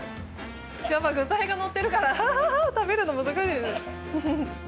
やっぱり、具材がのっているから食べるの難しい。